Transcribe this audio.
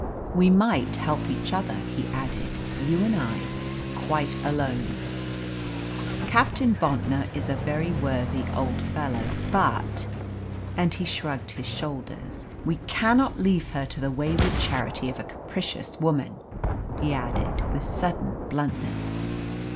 "We might help each other," he added, "you and I, quite alone. Captain Bontnor is a very worthy old fellow, but " and he shrugged his shoulders. "We cannot leave her to the wayward charity of a capricious woman!" he added, with sudden bluntness.